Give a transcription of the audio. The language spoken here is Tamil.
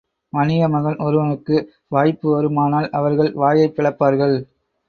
வணிக மகன் ஒருவனுக்கு வாய்ப்பு வருமானால் அவர்கள் வாயைப் பிளப்பார்கள்.